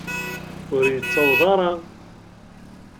Ur yettaweḍ ara.